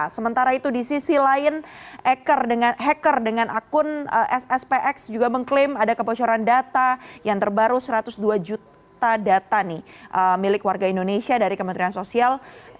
sementara itu di sisi lain hacker dengan akun sspx juga mengklaim ada kebocoran data yang terbaru satu ratus dua juta data nih milik warga indonesia dari kementerian sosial